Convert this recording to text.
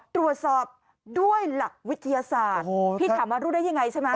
ตรวจสอบด้วยหลักวิทยาศาสตร์พี่ถามว่ารู้ได้ยังไงใช่ไหม